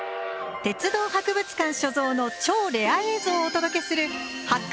鉄道博物館所蔵の超レア映像をお届けする「発掘！